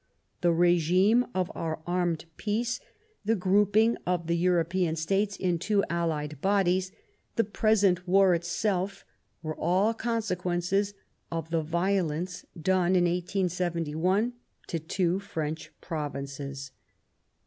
The regime of our Armed Peace, the grouping of the European States in two allied bodies, the present war itself, were all consequences of the violence done in 1871 to two French Provinces.